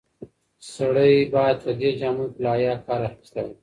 سړی باید په دې جامو کې له حیا کار اخیستی وای.